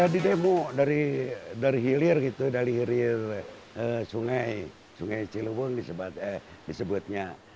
didemo dari hilir gitu dari hilir sungai sungai cilebun disebutnya